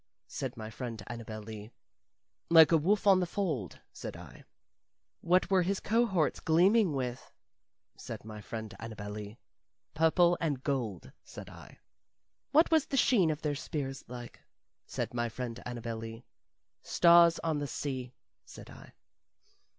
said my friend Annabel Lee. "Like a wolf on the fold," said I. "What were his cohorts gleaming with?" said my friend Annabel Lee. "Purple and gold," said I. "What was the sheen of their spears like?" said my friend Annabel Lee. "Stars on the sea," said I.